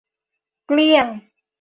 เกลี้ยง